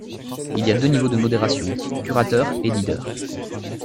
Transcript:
Il y a deux niveaux de modération, curateur et leader.